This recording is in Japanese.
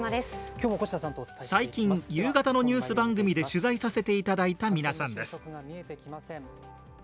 最近夕方のニュース番組で取材させていただいた皆さんです。